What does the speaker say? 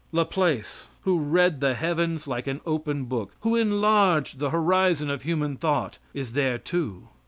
LaPlace, who read the heavens like an open book, who enlarged the horizon of human thought, is there too.